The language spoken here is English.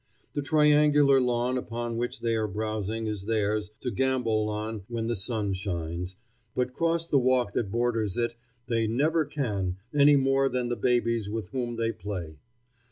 The triangular lawn upon which they are browsing is theirs to gambol on when the sun shines, but cross the walk that borders it they never can, any more than the babies with whom they play.